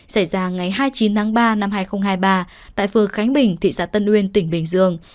xảy ra ngày hai mươi chín tháng ba năm hai nghìn hai mươi ba tại phường khánh bình thị xã tân uyên tỉnh bình dương